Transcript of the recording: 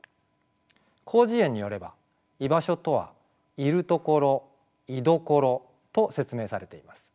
「広辞苑」によれば「居場所」とは「いるところ。いどころ」と説明されています。